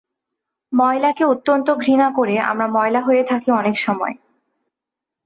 ময়লাকে অত্যন্ত ঘৃণা করে আমরা ময়লা হয়ে থাকি অনেক সময়।